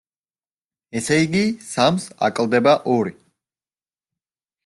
ესე იგი, სამს აკლდება ორი.